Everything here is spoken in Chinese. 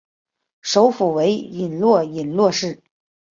首府为伊洛伊洛市。